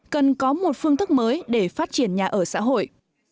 cần có một phương thức mới để phát triển nhà ở xã hội